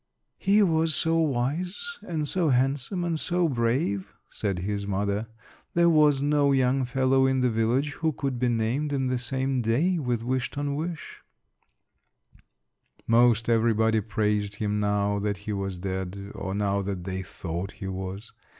"He was so wise and so handsome and so brave," said his mother; "there was no young fellow in the village who could be named in the same day with Wish ton wish." Most everybody praised him now that he was dead, or now that they thought he was.